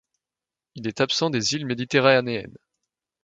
Il est absent des îles méditerranéennes.